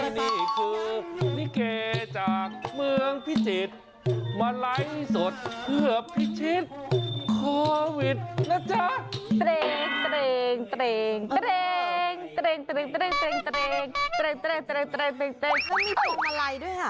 ในนี้นี่คือลิเกย์จากเมืองพิจิตรมาไล่สดเพื่อพิชิตโควิดนะจ๊ะ